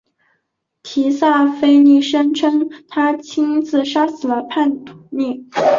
提萨斐尼声称他亲自杀死了叛逆。